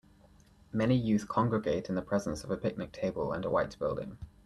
Many youth congregate in the presence of a picnic table and a white building.